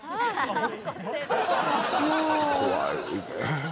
怖いね。